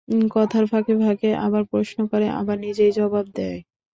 কথার ফাঁকে-ফোঁকে আবার প্রশ্ন করে, আবার নিজেই জবাব দেয়।